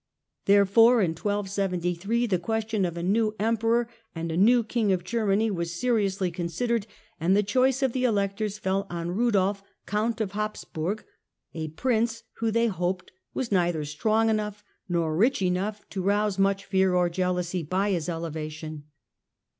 There fore, in 1273, the question of a new Emperor and a new King of Germany was seriously considered, and the choice of the Electors fell on Kudolf, Count of Habs burg, a Prince who they hoped was neither strong enough nor rich enough to rouse much fear or jealousy by his elevation.